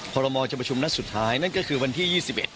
ขอรมอลจะประชุมนัดสุดท้ายนั่นก็คือวันที่๒๑